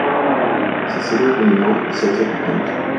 Se sirve con limón y salsa picante.